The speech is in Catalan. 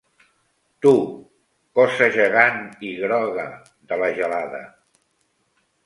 Tu, cosa gegant i groga de la gelada.